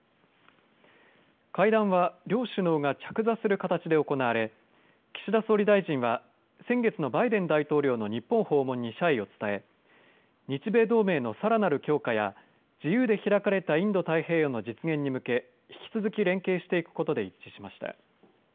会談は両首脳が着座する形で行われ岸田総理大臣は先月のバイデン大統領の日本訪問に謝意を伝え日米同盟のさらなる強化や自由で開かれたインド太平洋の実現に向け引き続き連携していくことで一致しました。